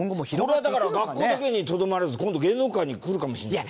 これはだから学校だけにとどまらず今度芸能界にくるかもしれない。